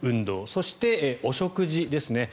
そして、お食事ですね。